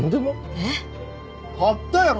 えっ？あったやろ！